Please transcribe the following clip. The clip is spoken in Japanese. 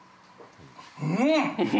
うん！